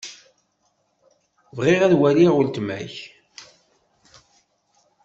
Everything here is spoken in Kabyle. Bɣiɣ ad waliɣ weltma-k.